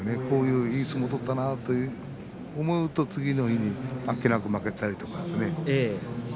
こういういい相撲を取ったなと思うと次の日にあっけなく負けたりとかですね。